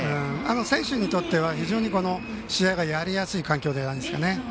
選手にとっては試合がやりやすい環境じゃないですかね。